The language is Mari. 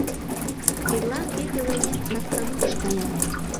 — Эрла кӧ пеленем Масканурыш кая?